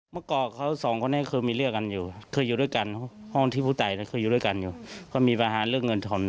ไม่มีครับไม่เจอเพื่อน